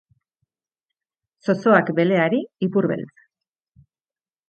Zozoak beleari ipurbeltz.